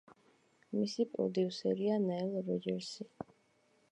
მისი პროდიუსერია ნაილ როჯერსი.